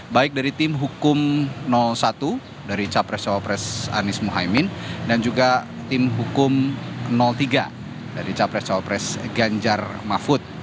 baik dari tim hukum satu dari capres cawapres anies mohaimin dan juga tim hukum tiga dari capres cawapres ganjar mahfud